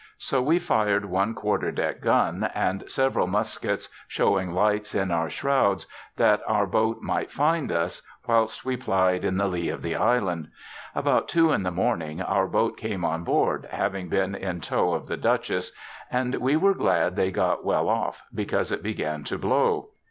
So we fir'd one quarter deck gun, and several muskets, showing lights in our shrouds, that our boat might find us, whilst we ply'd in the lee of the Island. About two in the morning our boat came on board, having been in tow of the ' Dutchess ;' and we were glad they got well off, because it began to blow.